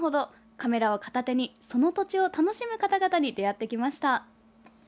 カメラを片手にその土地を楽しむ方々と出会ってきました。